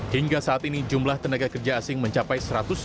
hingga saat ini jumlah tenaga kerja asing mencapai satu ratus empat puluh